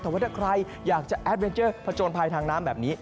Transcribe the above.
แต่ว่าถ้าใครอยากจะแอดเวนเจอร์ผจญภัยทางน้ำแบบนี้